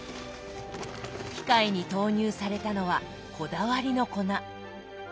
機械に投入されたのはこだわりの粉。